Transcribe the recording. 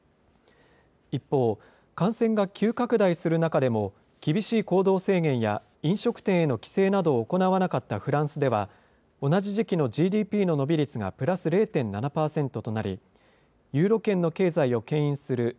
一方、感染が急拡大する中でも、厳しい行動制限や飲食店への規制などを行わなかったフランスでは、同じ時期のＧＤＰの伸び率がプラス０．７％となり、ユーロ圏の経済をけん引する